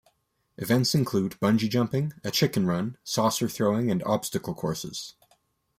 Events include bungee jumping, a chicken run, saucer throwing, and obstacle courses.